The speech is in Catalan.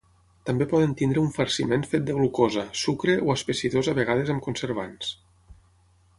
També poden tenir un farciment fet de glucosa, sucre, o espessidors a vegades amb conservants.